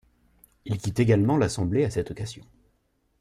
Il quitte également l'Assemblée à cette occasion.